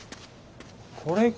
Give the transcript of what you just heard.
これか？